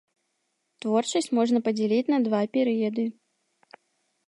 Творчасць можна падзяліць на два перыяды.